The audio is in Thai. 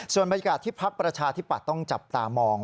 ส่วนบรรยากาศที่พักประชาธิปัตย์ต้องจับตามอง